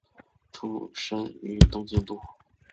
出身于东京都。